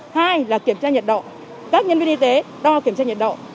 hai là kiểm tra nhiệt độ các nhân viên y tế đo kiểm tra nhiệt độ